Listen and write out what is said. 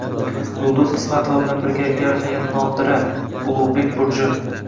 Yulduz Ismatova bilan birgalikda yaratilgan “Nodira”, “Ulug’bek burji”